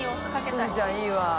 鈴ちゃんいいわ。